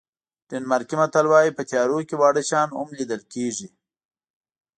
ډنمارکي متل وایي په تیارو کې واړه شیان هم لیدل کېږي.